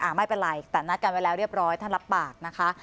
ไม่เป็นไรแต่นัดกันไว้แล้วเรียบร้อยท่านรับปากนะคะ